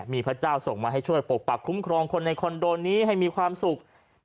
มีพระเจ้าส่งมาให้ช่วยปกปักคุ้มครองคนในคอนโดนี้ให้มีความสุข